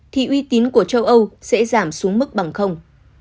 thì uy tín của châu âu sẽ giảm xuống mức bằng